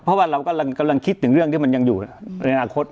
เพราะว่าเรากำลังคิดถึงเรื่องที่มันยังอยู่ในอนาคต